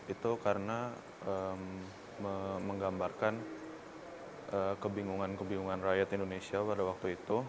itu karena menggambarkan kebingungan kebingungan rakyat indonesia pada waktu itu